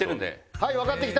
はいわかってきた。